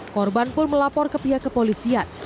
korban pun melapor ke pihak kepolisian